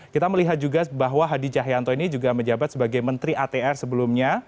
kita melihat juga bahwa hadi cahyanto ini juga menjabat sebagai menteri atr sebelumnya